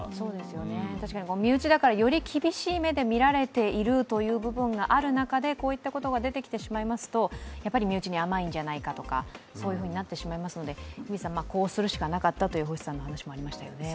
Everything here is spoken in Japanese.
確かに身内だからより厳しい目で見られているということがある中でこういったことが出てきてしまいますと身内に甘いんじゃないかとそうふうになってしまうので、こういうふうにするしかなかったという星さんの話もありますよね。